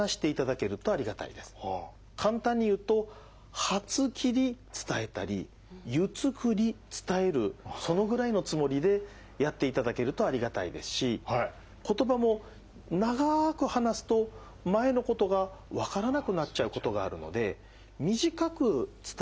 簡単に言うと「はつきり」伝えたり「ゆつくり」伝えるそのぐらいのつもりでやっていただけるとありがたいですし言葉も長く話すと前のことがわからなくなっちゃうことがあるので短く伝えていただけると。